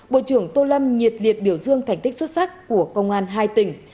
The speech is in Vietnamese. bộ trưởng tô lâm nhiệt liệt biểu dương thành tích xuất sắc của công an hai tỉnh